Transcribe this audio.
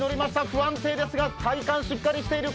不安定ですが体幹しっかりしてる。